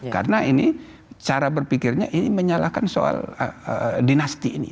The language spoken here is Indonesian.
karena ini cara berpikirnya ini menyalahkan soal dinasti ini